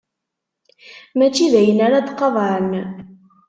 Mačči d ayen ara d-qaḍɛen.